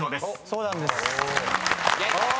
そうなんです。